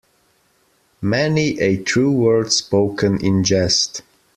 Many a true word spoken in jest.